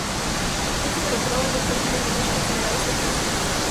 Ted se involucró en los principios de Osho, considerados por muchos como una secta.